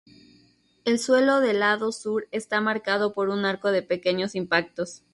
El suelo del lado sur está marcado por un arco de pequeños impactos.